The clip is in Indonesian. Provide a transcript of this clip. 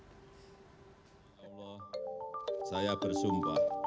alhamdulillah saya bersumpah